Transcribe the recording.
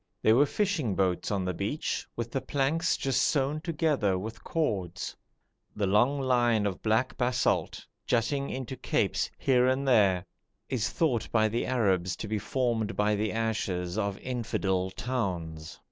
There were fishing boats on the beach, with the planks just sewn together with cords. The long line of black basalt, jutting into capes here and there, is thought by the Arabs to be formed by the ashes of infidel towns.